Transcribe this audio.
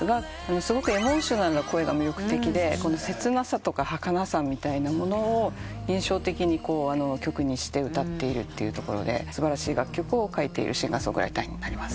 すごくエモーショナルな声が魅力的で切なさとかはかなさみたいなものを印象的に曲にして歌っているというところで素晴らしい楽曲を書いているシンガー・ソングライターになります。